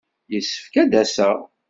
Yessefk ad d-aseɣ.